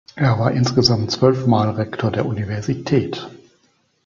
Er war insgesamt zwölf Mal Rektor der Universität.